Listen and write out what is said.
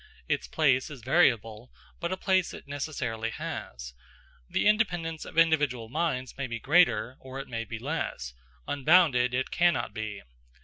Its place is variable, but a place it necessarily has. The independence of individual minds may be greater, or it may be less: unbounded it cannot be.